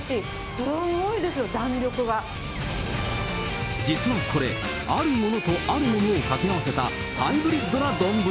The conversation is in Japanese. すんごいです、実はこれ、あるものとあるものを掛け合わせた、ハイブリッドな丼。